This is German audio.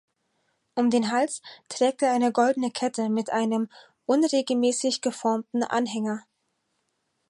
Um den Hals trägt er eine goldene Kette mit einem unregelmäßig geformten Anhänger.